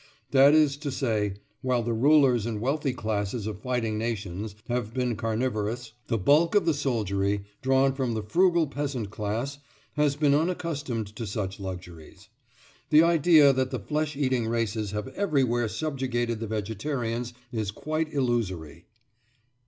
That is to say, while the rulers and wealthy classes of fighting nations have been carnivorous, the bulk of the soldiery, drawn from the frugal peasant class, has been unaccustomed to such luxuries. The idea that the flesh eating races have everywhere subjugated the vegetarians is quite illusory.